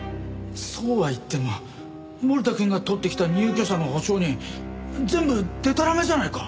そうは言っても森田くんが取ってきた入居者の保証人全部でたらめじゃないか。